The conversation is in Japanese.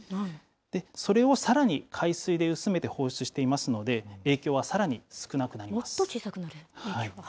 それをさらに海水で薄めて放出していますので、影響はさらに少なもっと小さくなる、影響が。